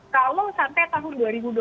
kalau sampai tahun dua ribu dua puluh